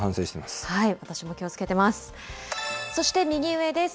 私も気をつけてます。